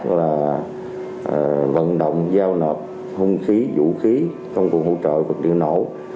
gọi là vận động giao nộp hung khí vũ khí công cụ hỗ trợ vật điều nổ